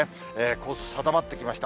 コース定まってきました。